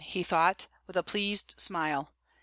he thought, with a pleased smile.